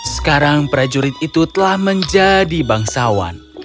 sekarang prajurit itu telah menjadi bangsawan